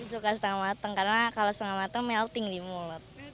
suka setengah matang karena kalau setengah matang melting di mulut